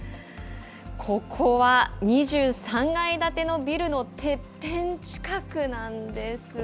ここは２３階建てのビルのてっぺん近くなんです。